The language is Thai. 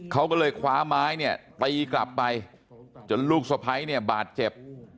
เขาก็เลยคว้าไม้เนี่ยตีกลับไปจนลูกสะพ้ายเนี่ยบาดเจ็บ